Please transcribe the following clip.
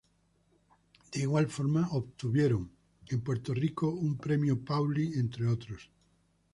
De igual forma, obtuvieron en Puerto Rico un premio Paoli, entre otros.